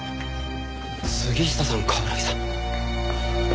杉下さん冠城さん。